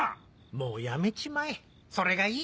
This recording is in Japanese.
もうやめちまえそれがいい。